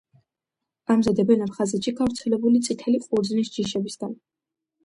ამზადებენ აფხაზეთში გავრცელებული წითელი ყურძნის ჯიშებისაგან.